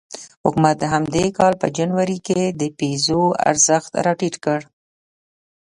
حکومت د همدې کال په جنوري کې د پیزو ارزښت راټیټ کړ.